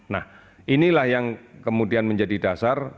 nah inilah yang kemudian menjadi dasar